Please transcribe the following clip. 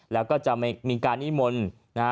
แล้วก็จะมีการอิมนต์